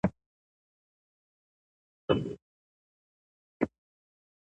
ډېر ناروغان د لارښود له مخې تمرین کوي.